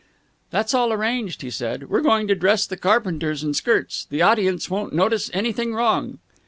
"That's all arranged," he said. "We're going to dress the carpenters in skirts. The audience won't notice anything wrong."